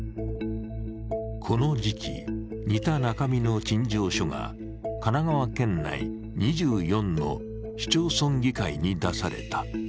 この時期、似た中身の陳情書が神奈川県内２４の市町村議会に出された。